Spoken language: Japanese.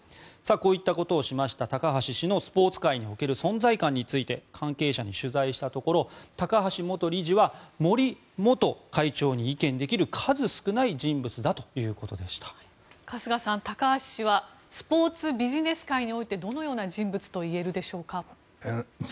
こういったことをした高橋氏のスポーツ界における存在感について関係者に取材したところ高橋元理事は森元会長に意見できる、数少ない春日さん、高橋氏はスポーツビジネス界においてどのような人物といえるでしょうか。